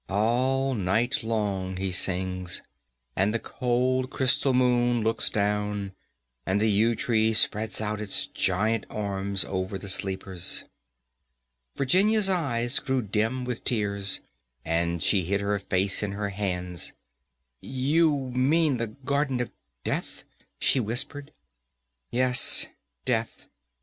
All night long he sings, and the cold crystal moon looks down, and the yew tree spreads out its giant arms over the sleepers." Virginia's eyes grew dim with tears, and she hid her face in her hands. "You mean the Garden of Death," she whispered. "Yes, death.